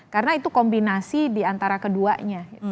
karena itu kombinasi di antara keduanya